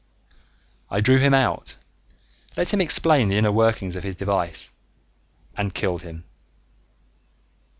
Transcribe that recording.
I drew him out, let him explain the inner workings of his device and killed him.